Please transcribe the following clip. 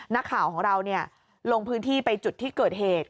นักข่าวของเราลงพื้นที่ไปจุดที่เกิดเหตุ